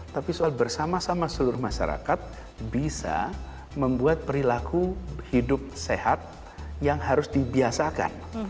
tapi soal bersama sama seluruh masyarakat bisa membuat perilaku hidup sehat yang harus dibiasakan